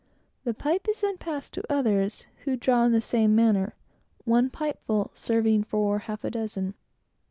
The pipe is then passed to others, who draw, in the same manner, one pipe full serving for half a dozen.